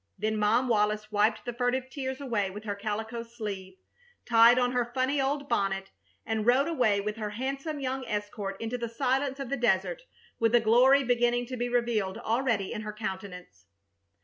Then Mom Wallis wiped the furtive tears away with her calico sleeve, tied on her funny old bonnet, and rode away with her handsome young escort into the silence of the desert, with the glory beginning to be revealed already in her countenance.